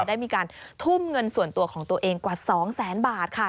ได้มีการทุ่มเงินส่วนตัวของตัวเองกว่า๒แสนบาทค่ะ